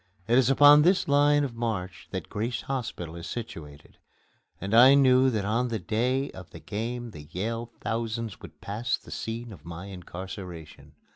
It is upon this line of march that Grace Hospital is situated, and I knew that on the day of the game the Yale thousands would pass the scene of my incarceration.